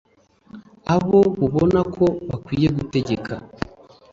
abo bubona ko bakwiye gutegeka